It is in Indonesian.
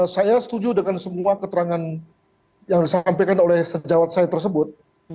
saya setuju dengan semua keterangan yang disampaikan oleh sejawat saya tersebut